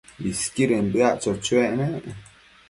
Isquidën bëac cho-choec nec